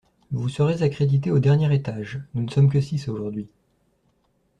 Vous serez accréditée au dernier étage, nous ne sommes que six aujourd’hui